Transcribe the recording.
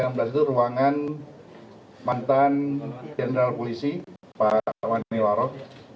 di lantai enam belas itu ruangan mantan jenderal polisi pak wani warok